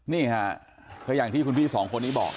นี่ค่ะก็อย่างที่คุณพี่สองคนนี้บอก